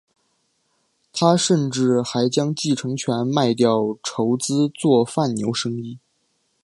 他甚至还将继承权卖掉筹资做贩牛生意。